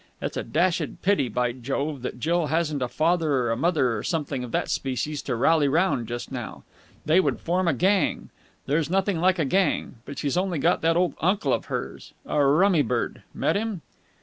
It's a dashed pity, by Jove, that Jill hasn't a father or a mother or something of that species to rally round just now. They would form a gang. There's nothing like a gang! But she's only got that old uncle of hers. A rummy bird. Met him?"